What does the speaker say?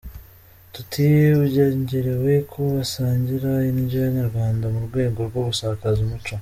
Tuty yongeraho ko basangira indyo nyarwanda mu rwego rwo gusakaza umuco.